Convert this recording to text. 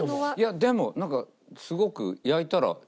でもなんかすごく焼いたらシューッと。